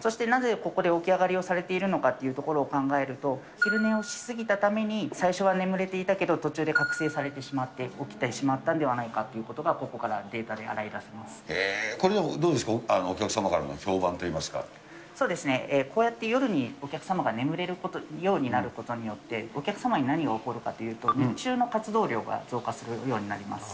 そしてなぜ、ここで起き上がりをされているのかというところを考えると、昼寝をし過ぎたために、最初は眠れていたけど、途中で覚醒されてしまって、起きてしまったんではないかということが、ここからデへぇ、これどうですか、そうですね、こうやって夜にお客様が眠れるようになることによって、お客様に何が起こるかというと、日中の活動量が増加するようになります。